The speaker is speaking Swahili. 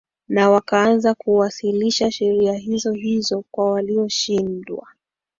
na wakaanza kuwasilisha sheria hizo hizo kwa walioshindwa